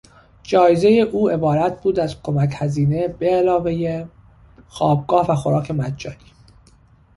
جایزهی او عبارت بود از کمک هزینه بعلاوهی خوابگاه و خوراک مجانی.